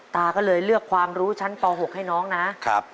ตาก็เลยเลือกความรู้ชั้นป๖ให้น้องนะครับ